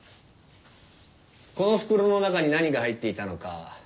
この袋の中に何が入っていたのか